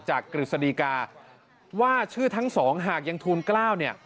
จากกฤษฎีกาว่าชื่อทั้งสองหากยังทูลเกล้า